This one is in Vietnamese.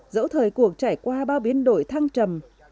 dẫu thời cuộc trải qua bao biến đổi thăng trầm